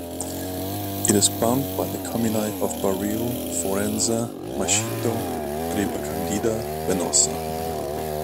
It is bounded by the comuni of Barile, Forenza, Maschito, Ripacandida, Venosa.